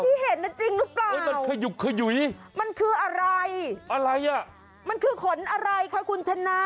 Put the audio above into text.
ที่เห็นน่ะจริงหรือเปล่ามันขยุกขยุยอะไรมันคือขนอะไรค่ะคุณชนะ